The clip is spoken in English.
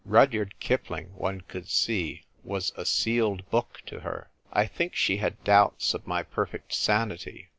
Rudyard Kipling, one could see, was a sealed book to her. I think she had doubts of my perfect sanity.